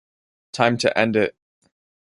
Time to end it!